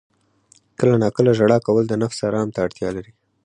• کله ناکله ژړا کول د نفس آرام ته اړتیا لري.